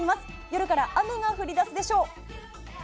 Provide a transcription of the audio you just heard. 夜から雨が降りだすでしょう。